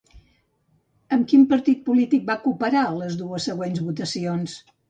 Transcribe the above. Amb quin partit polític va cooperar a les dues següents votacions?